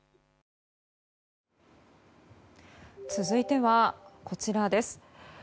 続いてはこちらです。